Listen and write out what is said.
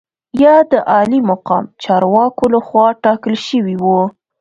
یا د عالي مقام چارواکو لخوا ټاکل شوي وو.